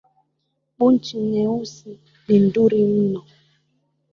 Buchi neusi ni nduri nno.